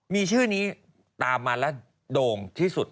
มีชื่อนี้ตามมาแล้วโด่งที่สุด